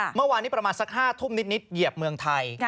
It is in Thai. เมื่อวานนี้ประมาณสัก๕ทุ่มนิดเหยียบเมืองไทย